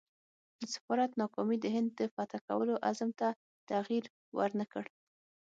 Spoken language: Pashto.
د سفارت ناکامي د هند د فتح کولو عزم ته تغییر ورنه کړ.